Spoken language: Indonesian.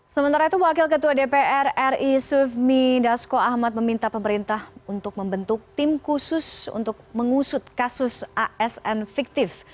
sementara itu wakil ketua dpr ri sufmi dasko ahmad meminta pemerintah untuk membentuk tim khusus untuk mengusut kasus asn fiktif